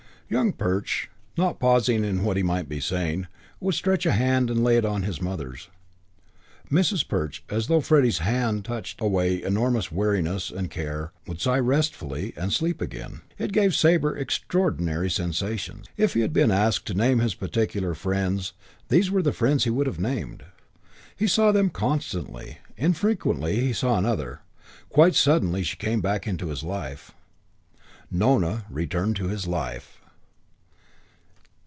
Young Perch, not pausing in what he might be saying, would stretch a hand and lay it on his mother's. Mrs. Perch, as though Freddie's hand touched away enormous weariness and care, would sigh restfully and sleep again. It gave Sabre extraordinary sensations. If he had been asked to name his particular friends these were the friends he would have named. He saw them constantly. Infrequently he saw another. Quite suddenly she came back into his life. Nona returned into his life.